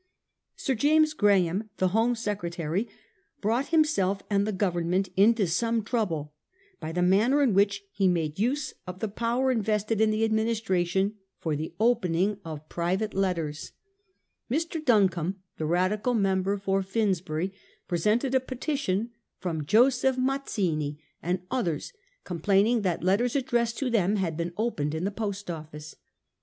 Sir James Graham, the Home Secretary, brought himself and the Government into some trouble by the manner in which he made use of the power invested in, the Ad mi nistration for the opening of private letters. 314 A HISTORY OF OUR OWN TIMES. cn. xin. Mr. Duncombe, the Radical member for Finsbury, presented a petition from Joseph Mazzini and others complaining that letters addressed to them had been opened in the Post Office.